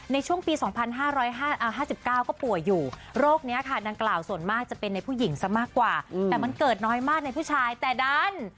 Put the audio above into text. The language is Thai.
ในช่วงปี๒๕๕๙ก็ป่วยอยู่โรคนี้ค่ะดังกล่าวส่วนมากจะเป็นในผู้หญิงซะมากกว่าแต่มันเกิดน้อยมากในผู้ชายแต่ดัน